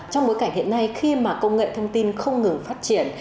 trong bối cảnh hiện nay khi mà công nghệ thông tin không ngừng phát triển